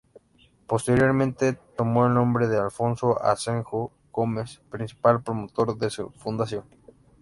Posteriormente tomó el nombre de Alfonso Asenjo Gómez, principal promotor de su fundación.